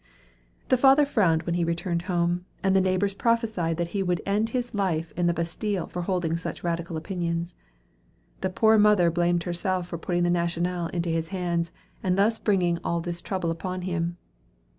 The father frowned when he returned home, and the neighbors prophesied that he would end his life in the Bastile for holding such radical opinions. The poor mother blamed herself for putting the "National" into his hands, and thus bringing all this trouble upon him.